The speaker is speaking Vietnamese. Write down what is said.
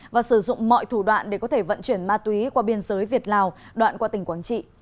và sử dụng mọi thủ đoạn để có thể vận chuyển ma túy qua biên giới việt lào đoạn qua tỉnh quảng trị